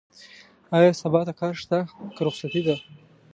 ايا سبا ته کار شته؟ که رخصتي ده؟